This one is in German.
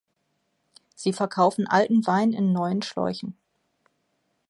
Sie verkaufen alten Wein in neuen Schläuchen.